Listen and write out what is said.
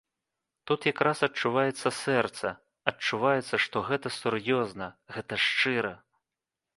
Тут як раз адчуваецца сэрца, адчуваецца, што гэта сур'ёзна, гэта шчыра.